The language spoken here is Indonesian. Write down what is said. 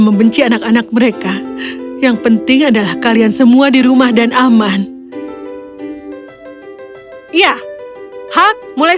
membenci anak anak mereka yang penting adalah kalian semua di rumah dan aman ya hak mulai